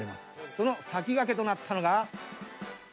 その先駆けとなったのが。